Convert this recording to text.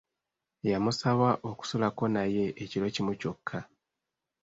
Yamusaba okusulako naye ekiro kimu kyokka.